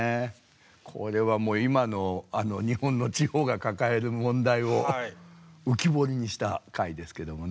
これはもう今の日本の地方が抱える問題を浮き彫りにした回ですけどもね。